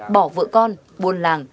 bỏ vợ con buồn làng